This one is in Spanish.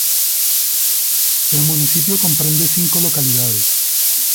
El municipio comprende cinco localidades.